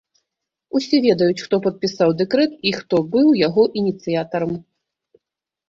Усе ведаюць, хто падпісаў дэкрэт і хто быў яго ініцыятарам.